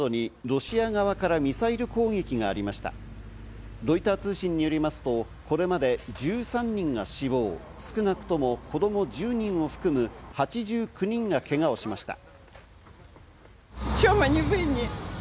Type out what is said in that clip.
ロイター通信によりますと、これまで１３人が死亡、少なくとも子供１０人を含む８９人がけがをしました。